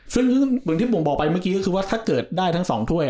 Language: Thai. ซึ่งเหมือนที่ผมบอกไปเมื่อกี้ก็คือว่าถ้าเกิดได้ทั้ง๒ถ้วย